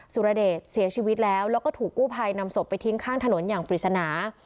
สุรเดชเสียชีวิตแล้วแล้วก็ถูกกู้ภัยนำศพไปทิ้งข้างถนนอย่างปริศนา